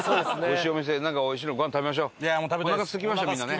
おなかすきましたみんなね。